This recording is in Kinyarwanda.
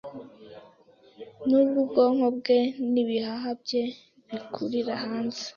nubwo ubwonko bwe n’ibihaha bye bikurira hanze